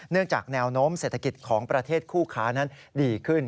จากแนวโน้มเศรษฐกิจของประเทศคู่ค้านั้นดีขึ้น